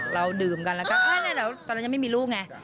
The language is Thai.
เราดื่มกันแล้วก็ตอนนั้นยังไม่มีลูกไง